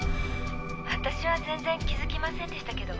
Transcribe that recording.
「私は全然気づきませんでしたけど」